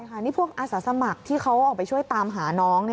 นี่พวกอาสาสมัครที่เขาออกไปช่วยตามหาน้อง